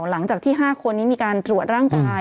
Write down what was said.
หลังจากที่๕คนนี้มีการตรวจร่างกาย